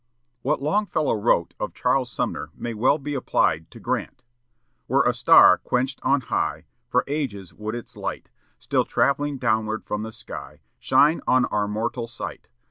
What Longfellow wrote of Charles Sumner may well be applied to Grant: "Were a star quenched on high, For ages would its light, Still travelling downward from the sky, Shine on our mortal sight.